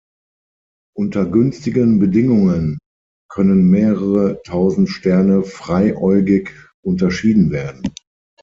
Unter günstigen Bedingungen können mehrere Tausend Sterne freiäugig unterschieden werden.